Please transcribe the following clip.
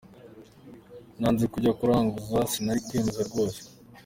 Nanze kujya kuraguza, sinari kwemera rwose.